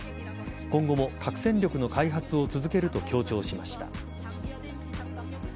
今後も核戦力の開発を続けると強調しました。